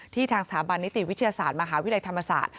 ทางสถาบันนิติวิทยาศาสตร์มหาวิทยาลัยธรรมศาสตร์